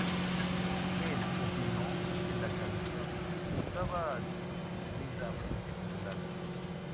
Él opinó que la canción estaba debidamente titulada.